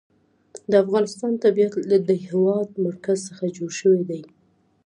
د افغانستان طبیعت له د هېواد مرکز څخه جوړ شوی دی.